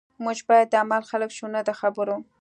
موږ باید د عمل خلک شو نه د خبرو